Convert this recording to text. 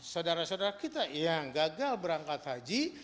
saudara saudara kita yang gagal berangkat haji